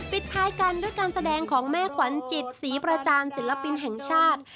ปิดท้ายกันด้วยการแสดงของแม่ขวัญจิตศรีประจานศิลปินแห่งชาติ